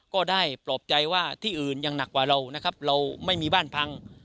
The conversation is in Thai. ก็ได้ปลอบใจว่าที่อื่นยังหนักกว่าเรานะครับเราไม่มีบ้านพัง